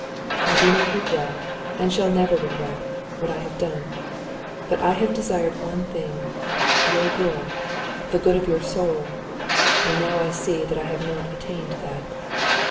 I do not regret, and shall never regret, what I have done; but I have desired one thing—your good, the good of your soul—and now I see I have not attained that.